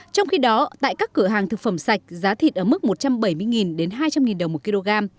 trong khi đó tại các cửa hàng thực phẩm sạch giá thịt ở mức một trăm bảy mươi hai trăm linh đồng một kg